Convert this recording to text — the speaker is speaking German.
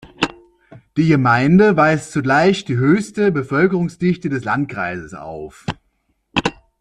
Die Gemeinde weist zugleich die höchste Bevölkerungsdichte des Landkreises auf.